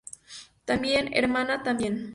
también, hermana, también.